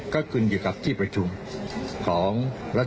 ก็คืนอยู่กับที่ประชุมของรัฐสภาครับ